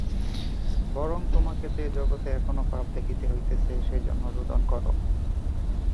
বরং তোমাকে যে জগতে এখনও পাপ দেখিতে হইতেছে, সেজন্য রোদন কর।